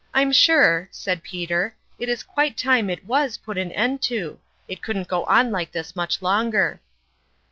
" I'm sure," said Peter, " it is quite time it was put an end to it couldn't go on like this much longer."